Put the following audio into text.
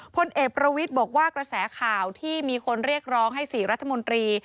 พลเอกประวิทย์บอกว่ากระแสข่าวที่มีคนเรียกร้องให้๔รัฐมนตรี